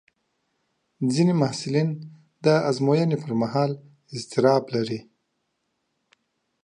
ځینې محصلین د ازموینې پر مهال اضطراب لري.